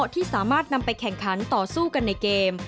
ที่สามารถนำไปแข่งขันต่อสู้กันในเกม